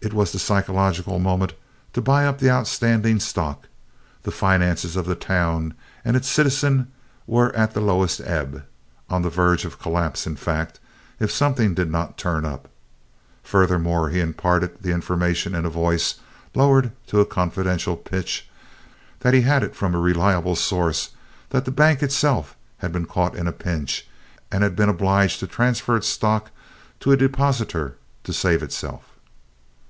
It was the psychological moment to buy up the outstanding stock. The finances of the town and its citizens were at the lowest ebb on the verge of collapse, in fact, if something did not turn up. Furthermore he imparted the information in a voice lowered to a confidential pitch he had it from a reliable source that the bank itself had been caught in a pinch and had been obliged to transfer its stock to a depositor to save itself.